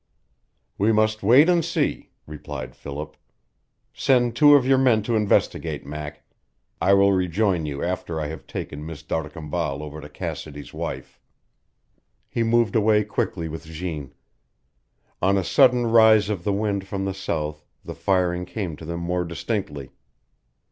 "We must wait and see," replied Philip. "Send two of your men to investigate, Mac. I will rejoin you after I have taken Miss d'Arcambal over to Cassidy's wife." He moved away quickly with Jeanne. On a sudden rise of the wind from the south the firing came to them more distinctly.